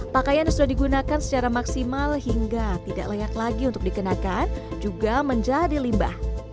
pakaian yang sudah digunakan secara maksimal hingga tidak layak lagi untuk dikenakan juga menjadi limbah